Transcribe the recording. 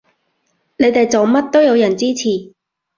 你哋做乜都有人支持